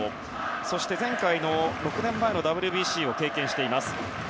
そして前回、６年前のＷＢＣを経験しています。